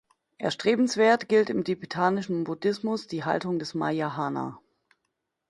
Erstrebenswert gilt im tibetischen Buddhismus die Haltung des Mahayana.